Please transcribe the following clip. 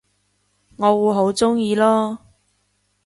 我會好鍾意囉